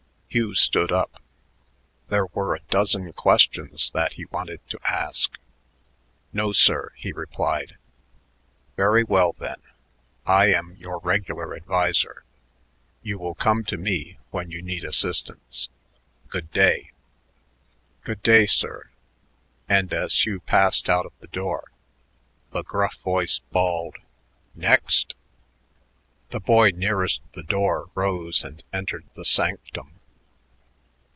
Hugh stood up. There were a dozen questions that he wanted to ask. "No, sir," he replied. "Very well, then. I am your regular adviser. You will come to me when you need assistance. Good day." "Good day, sir," and as Hugh passed out of the door, the gruff voice bawled, "Next!" The boy nearest the door rose and entered the sanctum.